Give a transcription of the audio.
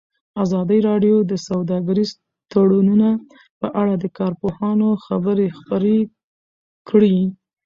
ازادي راډیو د سوداګریز تړونونه په اړه د کارپوهانو خبرې خپرې کړي.